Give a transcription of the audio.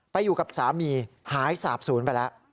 ไปอยู่กับสามีหาย๓๐ไปแล้ว